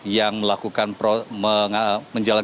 yang melakukan proses penjagaan